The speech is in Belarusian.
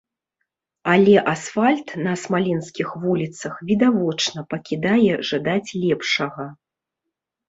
Але асфальт на смаленскіх вуліцах відавочна пакідае жадаць лепшага.